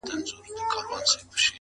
د ګوربت- باز او شاهین خبري مه کړئ-